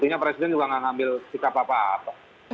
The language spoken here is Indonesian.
artinya presiden juga gak ngambil sikap apa apa